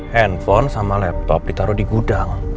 handphone sama laptop ditaruh di gudang